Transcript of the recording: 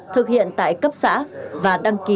thực hiện tại cấp xã và đăng ký